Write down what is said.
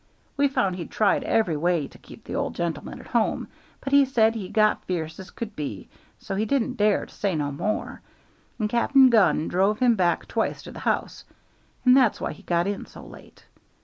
We found he'd tried every way to keep the old gentleman at home, but he said he got f'erce as could be, so he didn't dare to say no more, and Cap'n Gunn drove him back twice to the house, and that's why he got in so late.